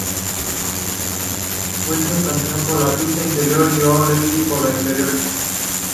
Weston caminó por la pista interior y O'Leary por la interior.